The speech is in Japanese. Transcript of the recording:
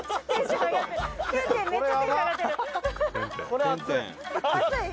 「これ、熱い！」